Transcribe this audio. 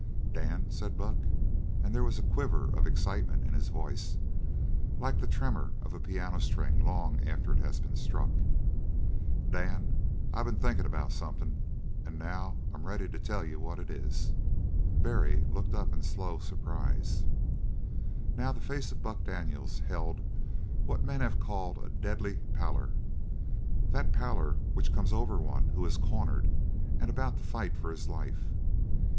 "Dan," said Buck, and there was a quiver of excitement in his voice, like the tremor of a piano string long after it has been struck. "Dan, I been thinking about something and now I'm ready to tell you what it is." Barry looked up in slow surprise. Now the face of Buck Daniels held what men have called a "deadly pallor," that pallor which comes over one who is cornered and about to fight for his life.